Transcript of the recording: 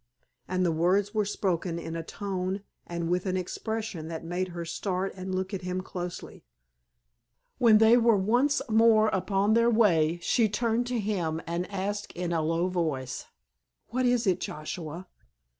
And the words were spoken in a tone and with an expression that made her start and look at him closely. When they were once more upon their way she turned to him and asked in a low voice, "What is it, Joshua?"